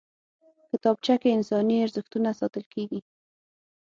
کتابچه کې انساني ارزښتونه ساتل کېږي